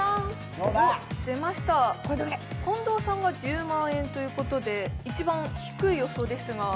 近藤さんが１０万円ということで一番低い予想ですが？